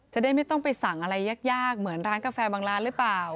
จะได้ไม่ต้องไปสั่งอะไรยากเหมือนร้านกาแฟบางร้านหรือเปล่า